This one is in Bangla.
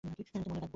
ওকে, মনে রাখব।